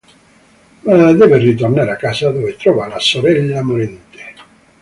Ma deve ritornare a casa dove trova la sorella morente.